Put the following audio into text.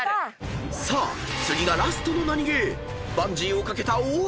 ［さあ次がラストのナニゲー］